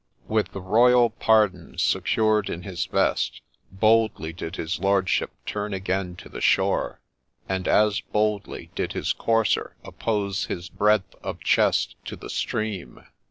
With the royal pardon secured in his vest, boldly did his lordship turn again to the shore ; and as boldly did his courser oppose his breadth of chest to the stream.